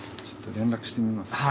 ちょっと連絡してみます。